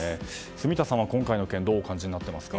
住田さんは今回の件どうお感じになっていますか？